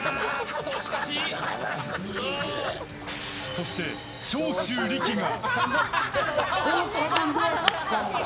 そして、長州力が。